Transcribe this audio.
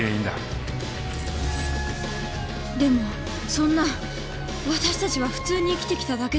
でもそんな私たちは普通に生きてきただけで。